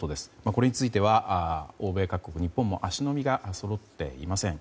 これについては欧米各国日本も足並みがそろっていません。